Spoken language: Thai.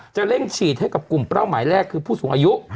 เร่งฉีดให้กับกลุ่มเป้าหมายแรกคือผู้สูงอายุ